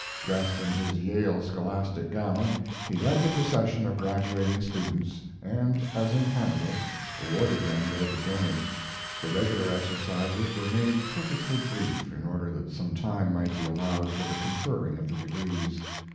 Dressed in his Yale scholastic gown he led the procession of graduating students, and, as in Hannibal, awarded them their diplomas. The regular exercises were made purposely brief in order that some time might be allowed for the conferring of the degrees.